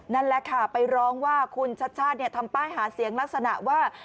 นั่นแหละค่ะไปร้องว่าคุณชัดชาติทำป้ายหาเสียงลักษณะว่า